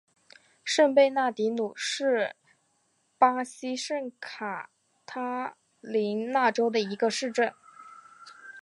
圣贝纳迪努是巴西圣卡塔琳娜州的一个市镇。